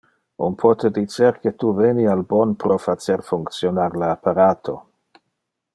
On pote dicer que tu veni al bon pro facer functionar le apparato.